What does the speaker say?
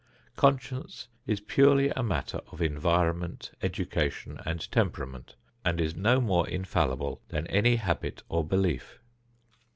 Conscience is purely a matter of environment, education and temperament, and is no more infallible than any habit or belief.